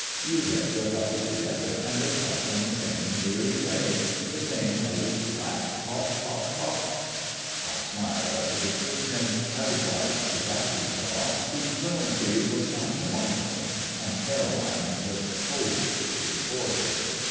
You get your couples together, and they talk in the same weary way the same old flat talk, talk, talk " I smiled at the description as applied to Bassishaw, whose fluency was not remarkable, and Caroline looked coldly before her.